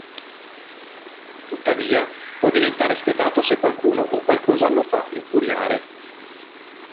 Tuttavia, può diventare spietato se qualcuno o qualcosa lo fa infuriare.